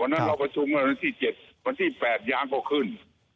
นั้นเราประชุมกันวันที่๗วันที่๘ยางก็ขึ้น